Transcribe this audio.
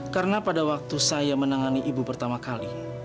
karena pada waktu saya menangani ibu pertama kali